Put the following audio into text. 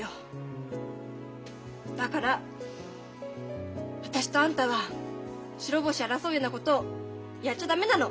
だから私とあんたは白星争うようなことをやっちゃ駄目なの。